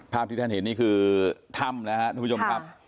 ที่ท่านเห็นนี่คือถ้ำนะครับทุกผู้ชมครับ